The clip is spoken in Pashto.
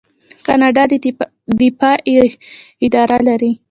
کاناډا د دفاع اداره لري.